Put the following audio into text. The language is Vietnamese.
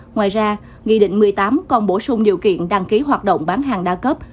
ngoài ra nghị định một mươi tám còn bổ sung điều kiện đăng ký hoạt động bán hàng đa cấp